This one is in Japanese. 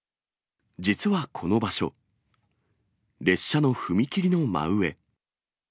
実はこの場所、列車の踏切の真上。